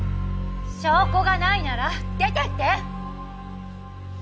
証拠がないなら出てって！